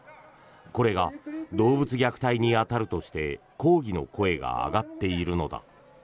これが動物虐待に当たるとして抗議の声が上がっているのだ。